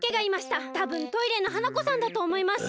たぶんトイレの花子さんだとおもいます。